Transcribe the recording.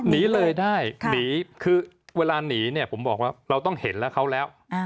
หนีเลยได้หนีคือเวลาหนีเนี่ยผมบอกว่าเราต้องเห็นแล้วเขาแล้ว